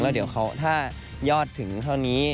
แล้วเดี๋ยวถ้ายอดถึงเท่านี้